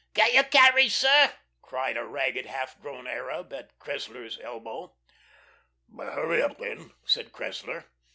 "Get your carriage, sir?" cried a ragged, half grown arab at Cressler's elbow. "Hurry up, then," said Cressler.